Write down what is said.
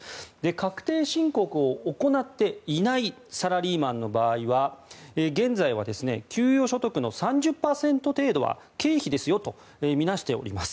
確定申告を行っていないサラリーマンの場合は現在は給与所得の３０％程度は経費ですよと見なしております。